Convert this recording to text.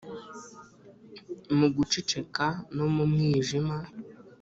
mu guceceka no mu mwijima.